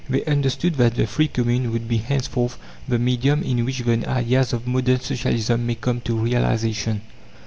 They understood that the free commune would be henceforth the medium in which the ideas of modern Socialism may come to realization.